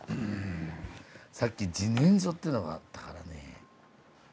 さっき自然薯っていうのがあったからね。